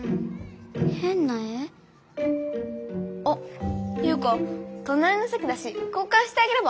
あっ優花となりのせきだし交かんしてあげれば？